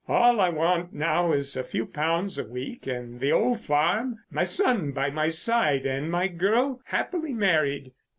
All I want now is a few pounds a week and the old farm, my son by my side, and my girl happily married."